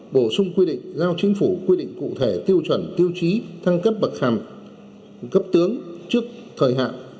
bổ sung quy định giao chính phủ quy định cụ thể tiêu chuẩn tiêu chí thăng cấp bậc hàm cấp tướng trước thời hạn